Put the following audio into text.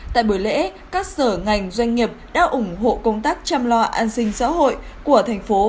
tại buổi lễ các sở ngành doanh nghiệp đã ủng hộ công tác chăm loa an sinh xã hội của tp hcm